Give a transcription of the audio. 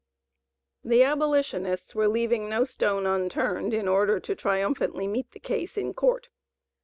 The abolitionists were leaving no stone unturned in order to triumphantly meet the case in Court.